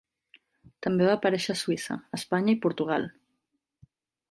També va aparèixer a Suïssa, Espanya i Portugal.